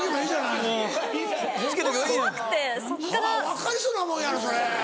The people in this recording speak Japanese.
分かりそうなもんやろそれ。